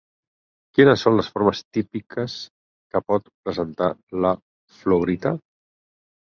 Quines són les formes típiques que pot presenta la fluorita?